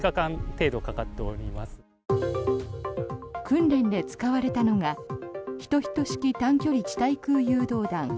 訓練で使われたのが１１式短距離地対空誘導弾